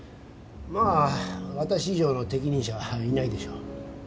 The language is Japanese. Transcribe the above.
まあ私以上の適任者はいないでしょう。